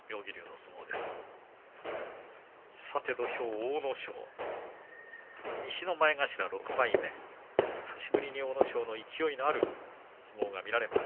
土俵の阿武咲、西の前頭６枚目久しぶりに阿武咲の勢いのある相撲が見られます。